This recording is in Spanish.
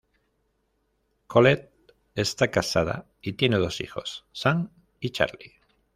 Colette está casada y tiene dos hijos, Sam y Charlie.